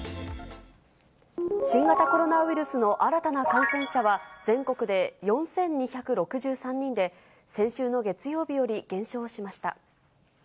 新型コロナウイルスの新たな感染者は、全国で４２６３人で、先週の月曜日より減少しました。